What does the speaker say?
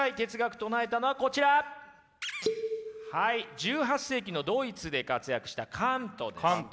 １８世紀のドイツで活躍したカントです。